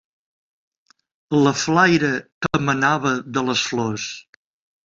La flaire que emanava de les flors.